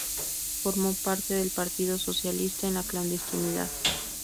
Formó parte del Partido Socialista en la clandestinidad.